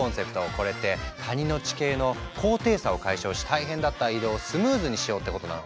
これって谷の地形の高低差を解消し大変だった移動をスムーズにしようってことなの。